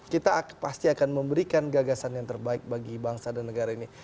kita pasti akan memberikan gagasan yang terbaik bagi bangsa dan negara ini